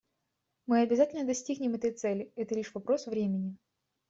Мы обязательно достигнем этой цели; это лишь вопрос времени.